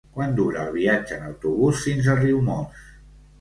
Quant dura el viatge en autobús fins a Riumors?